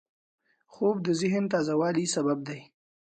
خوب د ذهن تازه والي سبب دی